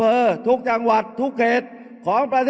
เอาข้างหลังลงซ้าย